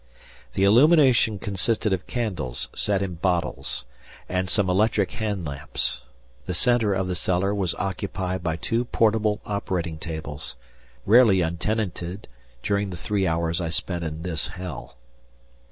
The illumination consisted of candles set in bottles and some electric hand lamps. The centre of the cellar was occupied by two portable operating tables, rarely untenanted during the three hours I spent in this hell.